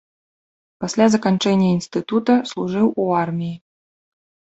Пасля заканчэння інстытута служыў у арміі.